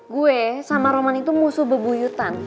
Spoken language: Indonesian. gue sama roman itu musuh bebuyutan